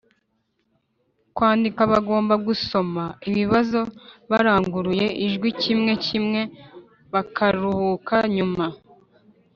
kwandika bagomba gusoma ibibazo baranguruye ijwi kimwe kimwe bakaruhuka nyuma